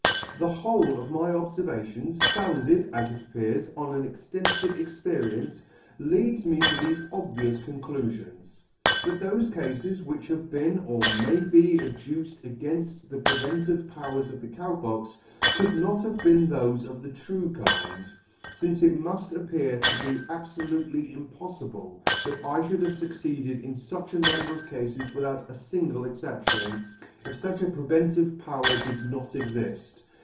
" The whole of my obfervations, founded, as it appears, on an extenfive experience, leads me to thefe obvious conclufions ; that thofe Cafes which have been or may be adduced againft the preventive powers of the Cow Pox, could not have been thofe of the true kind, fince it muft appear to be abfolutely impoflible that I fhould have fucceeded in fuch a number of Cafes without a fingle exception, if fuch a preventive power did not exift.